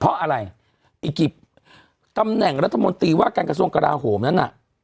เพราะอะไรอีกกี่ตำแหน่งรัฐมนตรีว่าการกระทรวงกราโหมนั้นน่ะ